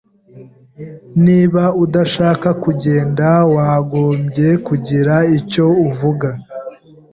Niba udashaka kugenda, wagombye kugira icyo uvuga.